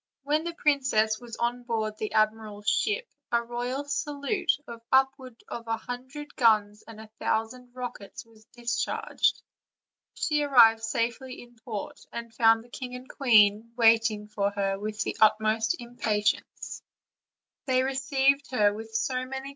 When the princess was on board the admiral's ship a royal salute, of upward of a hundred guns and a thou sand rockets, was discharged. She arrived safely in port, and found the king and queen waiting for her with the utmost impatience; they received her with so many 354 OLD, OLD FAIRY TALES.